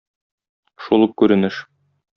Шул ук күренеш.